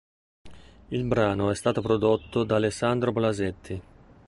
Il brano è stato prodotto da Alessandro Blasetti.